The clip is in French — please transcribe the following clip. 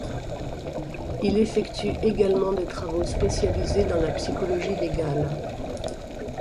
Il effectue également des travaux spécialisés dans la psychologie légale.